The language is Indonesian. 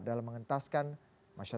dalam mengentaskan masyarakat